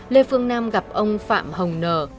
lê phương nam gặp ông phạm hồng nờ